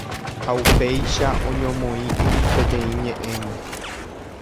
ha upéicha oñomoĩkuri peteĩ ñe'ẽme